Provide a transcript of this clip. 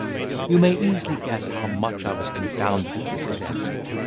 You may easily guess how much I was confounded at this event!